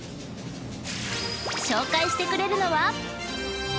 ［紹介してくれるのは？］